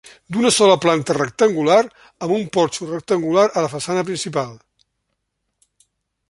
D'una sola planta rectangular, amb un porxo rectangular a la façana principal.